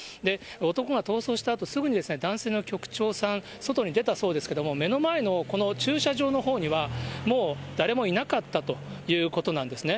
男が逃走したあとすぐ、男性の局長さん、外に出たそうですけれども、目の前のこの駐車場のほうには、もう誰もいなかったということなんですね。